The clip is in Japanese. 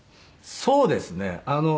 そうですね。